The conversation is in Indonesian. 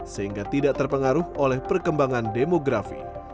sehingga tidak terpengaruh oleh perkembangan demografi